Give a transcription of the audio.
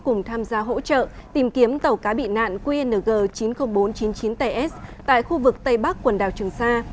cùng tham gia hỗ trợ tìm kiếm tàu cá bị nạn qng chín mươi nghìn bốn trăm chín mươi chín ts tại khu vực tây bắc quần đảo trường sa